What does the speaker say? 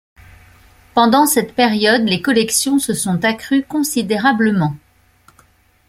Pendant cette période, les collections se sont accrues considérablement.